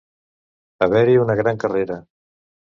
Haver-hi una gran carrera.